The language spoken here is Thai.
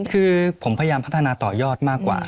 คือผมพยายามพัฒนาต่อยอดมากกว่า